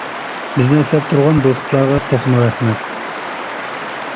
بىزنى ئەسلەپ تۇرغان دوستلارغا تېخىمۇ رەھمەت!